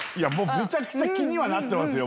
むちゃくちゃ気にはなってますよ。